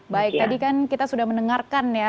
baik tadi kan kita sudah mendengarkan ya